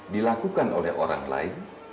dilakukan oleh orang lain